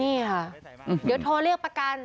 นี่ค่ะเดี๋ยวโทรเรียกประกัน